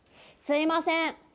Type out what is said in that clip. すいません！